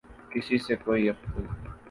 کسی سے کوئی اختل